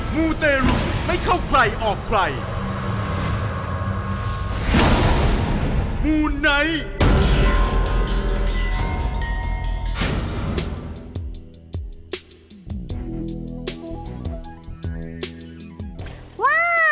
ว้าว